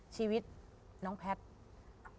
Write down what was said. ชีวิตน้องแพทย์